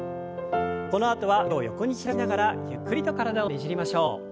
このあとは腕を横に開きながらゆっくりと体をねじりましょう。